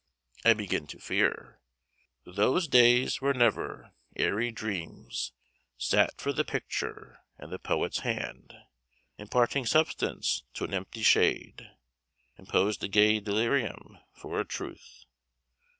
I begin to fear "Those days were never; airy dreams Sat for the picture, and the poet's hand, Imparting substance to an empty shade, Imposed a gay delirium for a truth.